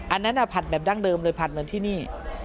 อันนั้นผัดแบบดั้งเดิมเลยผัดเหมือนที่นี่